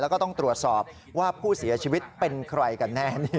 แล้วก็ต้องตรวจสอบว่าผู้เสียชีวิตเป็นใครกันแน่